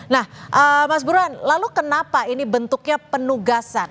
nah mas burhan lalu kenapa ini bentuknya penugasan